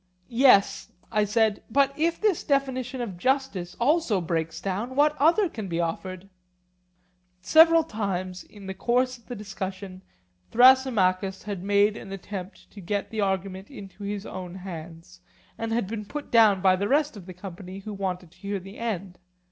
Yes, I said; but if this definition of justice also breaks down, what other can be offered? Several times in the course of the discussion Thrasymachus had made an attempt to get the argument into his own hands, and had been put down by the rest of the company, who wanted to hear the end.